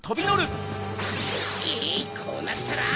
えいこうなったら！